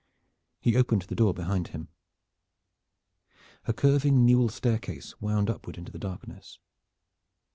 He opened the door behind him. A curving newel staircase wound upward into the darkness.